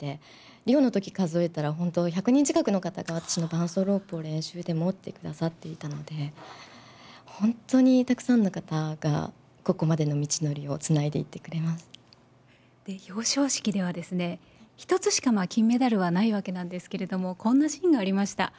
リオのとき数えたら、本当１００人近くの方が私の伴走ロープを練習で持ってくださっていたので、本当にたくさんの方が、ここまでの道のりをつないでいってくれま表彰式では一つしか金メダルはないわけなんですけれども、こんなシーンがありました。